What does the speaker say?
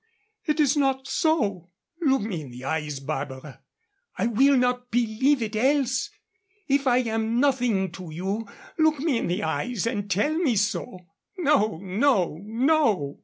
It is not so." "Look me in the eyes, Barbara; I will not believe it else. If I am nothing to you, look me in the eyes and tell me so." "No! No! No!"